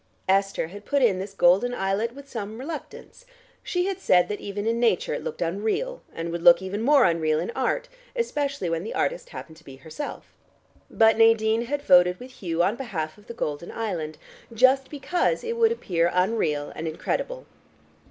Esther had put in this golden islet with some reluctance: she had said that even in Nature it looked unreal, and would look even more unreal in Art, especially when the artist happened to be herself. But Nadine had voted with Hugh on behalf of the golden island, just because it would appear unreal and incredible.